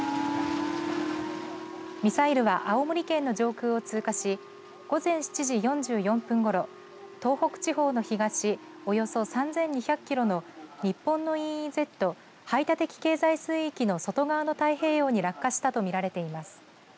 ミサイルは青森県の上空を通過し午前７時４４分ごろ東北地方の東およそ３２００キロの日本のＥＥＺ排他的経済水域の外側の太平洋に落下したと見られています。